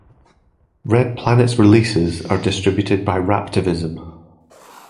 Red Planet's releases are distributed by Raptivism.